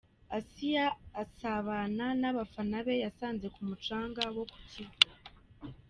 Assia asabana n'abafana be yasanze ku mucanga wo ku Kivu.